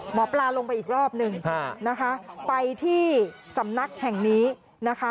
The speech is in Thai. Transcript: หมอปลาลงไปอีกรอบนึงนะคะไปที่สำนักแห่งนี้นะคะ